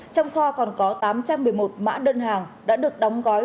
trong kho còn có tám trăm một mươi một mã đơn hàng đã được đóng gói